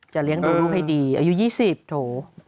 เลี้ยงดูลูกให้ดีอายุ๒๐โถ